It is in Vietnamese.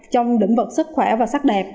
trong định vật sức khỏe và sắc đẹp